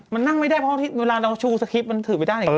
มันนั่งไม่ได้เพราะเวลาเราชูสคริปต์มันถือไม่ได้อย่างนี้